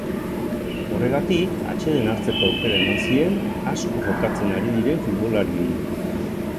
Horregatik, atseden hartzeko aukera eman zien asko jokatzen ari diren futbolariei.